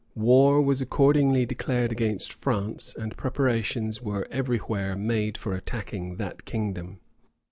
War was accordingly declared against France; and preparations were every where made for attacking that kingdom.